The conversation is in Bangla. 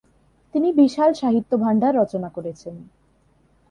তিনি বিশাল সাহিত্য ভান্ডার রচনা করেছেন।